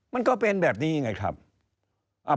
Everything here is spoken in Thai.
มันก็เป็นแบบนี้ไงครับ